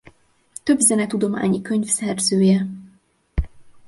Több zenetudományi könyv szerzője.